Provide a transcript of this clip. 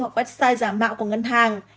hoặc website giả mạo của ngân hàng